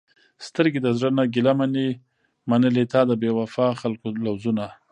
سترګې د زړه نه ګېله منې، منلې تا د بې وفاء خلکو لوظونه